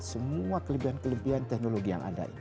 semua kelebihan kelebihan teknologi yang ada ini